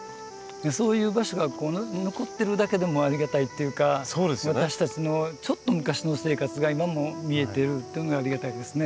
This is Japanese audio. そういう場所が残ってるだけでもありがたいっていうか私たちのちょっと昔の生活が今も見えているっていうのがありがたいですね。